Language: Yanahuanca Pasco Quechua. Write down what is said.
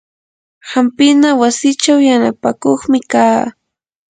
hampina wasichaw yanapakuqmi kaa.